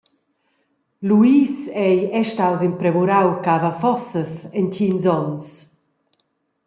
Luis ei era staus in premurau cava-fossas entgins onns.